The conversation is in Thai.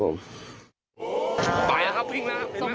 ไปแล้วครับวิ่งแล้ว